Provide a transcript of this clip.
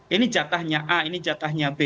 ini jatahnya a ini jatahnya b